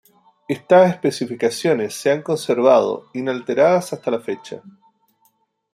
Estas especificaciones se han conservado inalteradas hasta la fecha.